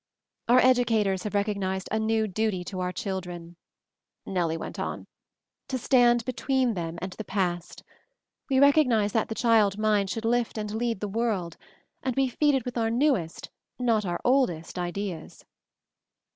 "Our educators have recognized a new duty to children," Nellie went on; "to stand between them and the past. We recognize that the child mind should lift and lead the world; and we feed it with our newest, not our oldest ideas.